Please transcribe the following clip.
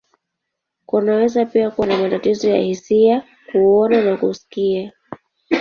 Kunaweza pia kuwa na matatizo ya hisia, kuona, na kusikia.